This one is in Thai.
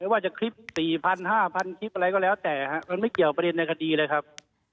ว่าจะคลิป๔๐๐๕๐๐คลิปอะไรก็แล้วแต่มันไม่เกี่ยวประเด็นในคดีเลยครับ